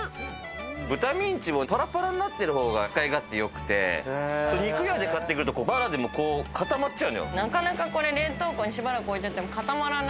豚ミンチもパラパラになっている方が使い勝手が良くて、肉屋で買ってくるとバラバラでも固まっちゃう。